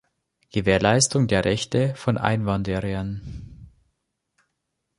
Gewährleistung der Rechte von Einwanderern.